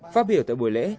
phát biểu tại buổi lễ